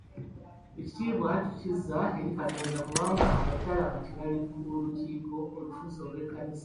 Ekitiibwa tukizza eri Katonda kubanga abakyala kati bali ku lukiiko olufuzi olw'ekkanisa.